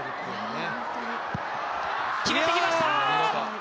決めてきました！